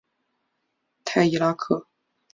泰伊拉克。